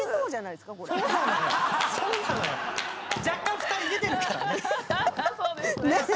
若干２人出てるからね！